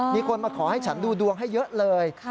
มีคนมาขอให้ฉันดูดวงให้เยอะเลย